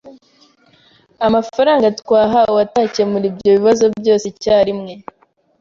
amafaranga twahawe atakemura ibyo bibazo byose icyarimwe.